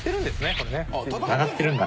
これね